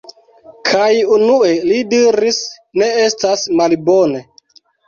Kaj unue li diris: "Ne estas malbone".